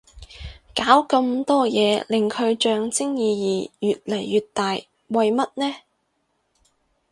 搞咁多嘢令佢象徵意義越嚟越大為乜呢